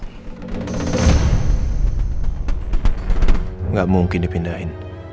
tidak mungkin dipindahkan